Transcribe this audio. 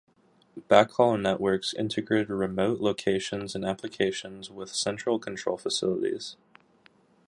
Backhaul networks integrated remote locations and applications with central control facilities.